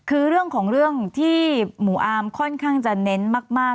คือเรื่องของเรื่องที่หมู่อาร์มค่อนข้างจะเน้นมาก